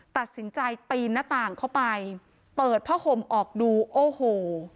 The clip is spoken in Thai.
ตัดสินใจปีนหน้าต่างเข้าไปเปิดผ้าห่มออกดูโอ้โห